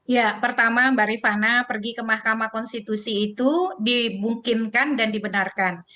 ya pertama mbak rifana pergi ke mahkamah konstitusi itu dimungkinkan dan dibenarkan